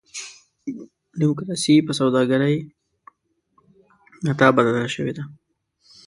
ډیموکراسي په سوداګرۍ متاع بدله شوې ده.